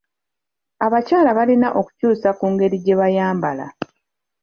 Abakyala balina okukyusa ku ngeri gye bayambala.